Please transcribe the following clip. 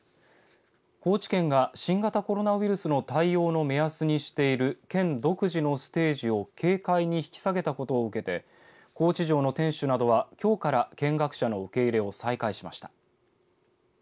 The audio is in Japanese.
高知県が新型コロナウイルスの対応の目安にしている県独自のステージを警戒に引き下げたことを受けて高知城の天守などはきょうから見学者の受け入れを再開しました。